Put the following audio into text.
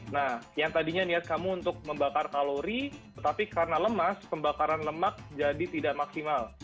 nah yang tadinya niat kamu untuk membakar kalori tetapi karena lemas pembakaran lemak jadi tidak maksimal